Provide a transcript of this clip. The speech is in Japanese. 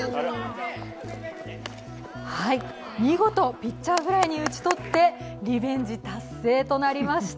見事、ピッチャーフライに打ち取って、リベンジ達成となりました。